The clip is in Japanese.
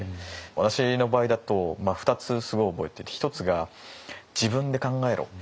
私の場合だと２つすごい覚えてて一つが「自分で考えろ」。